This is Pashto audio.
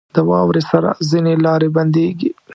• د واورې سره ځینې لارې بندېږي.